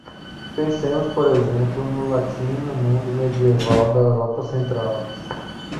Pensemos, por exemplo, no latim no mundo medieval da Europa Central.